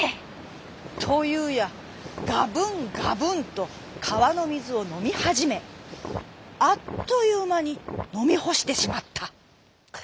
というやがぶんがぶんとかわのみずをのみはじめあっというまにのみほしてしまった。